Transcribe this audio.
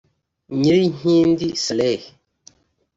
Nyilinkindi Saleh